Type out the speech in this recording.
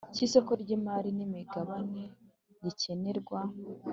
cy isoko ry imari n imigabane gikenerwa